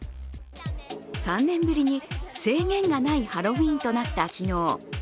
３年ぶりに制限がないハロウィーンとなった昨日。